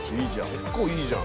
結構いいじゃん。